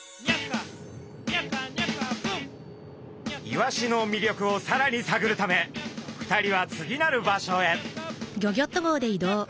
イワシのみりょくをさらにさぐるため２人は次なる場所へ。